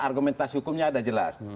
argumentasi hukumnya ada jelas